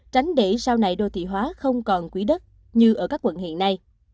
tránh để sau này đô thị hóa không còn quỹ đất như ở các quận hiện nay